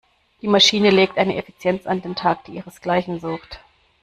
Die Maschine legt eine Effizienz an den Tag, die ihresgleichen sucht.